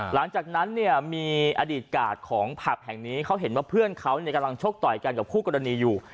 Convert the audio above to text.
หลังจากนั้นเนี่ยมีอดีตกาดของผับแห่งนี้เขาเห็นว่าเพื่อนเขากำลังชกต่อยกันกับคู่กรณีอยู่